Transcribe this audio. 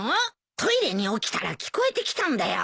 トイレに起きたら聞こえてきたんだよ。